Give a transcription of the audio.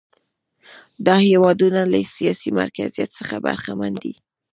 دا هېوادونه له سیاسي مرکزیت څخه برخمن دي.